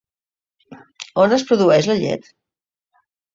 On es produeix la llet?